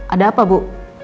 ada apa bu